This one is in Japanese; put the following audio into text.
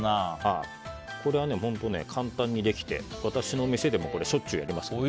これは本当、簡単にできて私の店でもしょっちゅうやります。